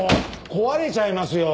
壊れちゃいますよ！